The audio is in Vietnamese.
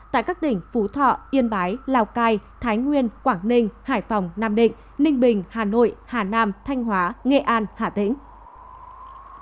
tại các tỉnh phú thọ yên bái lào cai thái nguyên quảng ninh hải phòng nam định ninh bình hà nội hà nam thanh hóa nghệ an hà tĩnh